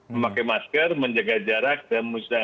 memakai masker menjaga jarak dan mustahil